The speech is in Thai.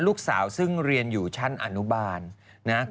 ลูกสาวซึ่งเรียนอยู่ชั้นอนุบาลนะ